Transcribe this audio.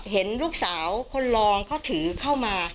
เห็นลูกสาวคนรองเขาถือเข้ามา